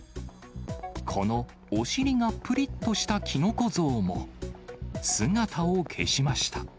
このお尻がぷりっとしたキノコ像も、姿を消しました。